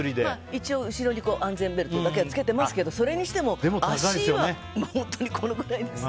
一応、後ろに安全ベルトだけはつけてますけどそれにしても、足は本当にこのくらいですね。